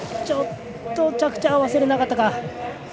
ちょっと着地合わせれなかったか。